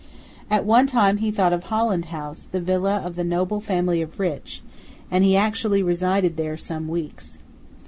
At one time he thought of Holland House, the villa of the noble family of Rich; and he actually resided there some weeks.